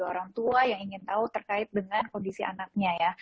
orang tua yang ingin tahu terkait dengan kondisi anaknya ya